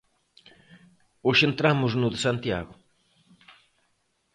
Hoxe entramos no de Santiago.